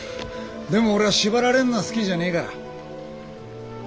でも俺は縛られるのは好きじゃねえから。